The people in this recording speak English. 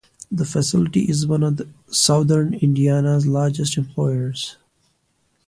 The facility is one of southern Indiana's largest employers.